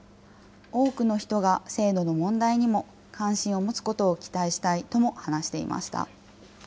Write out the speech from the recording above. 多くの人が制度の問題にも関心を持つことを期待したいとも話していました。